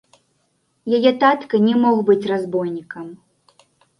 Яе татка не мог быць разбойнікам.